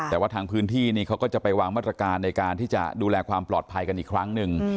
แต่ว่าทางพื้นที่นี่เขาก็จะไปวางมาตรการในการที่จะดูแลความปลอดภัยกันอีกครั้งหนึ่ง